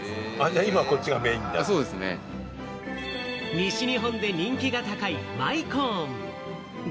西日本で人気が高い舞コーン。